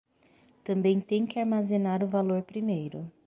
Também tem que armazenar o valor primeiro